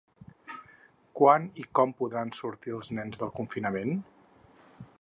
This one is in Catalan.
Quan i com podran sortir els nens del confinament?